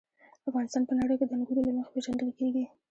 افغانستان په نړۍ کې د انګورو له مخې پېژندل کېږي.